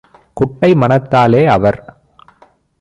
குட்டை மனத்தாலே - அவர்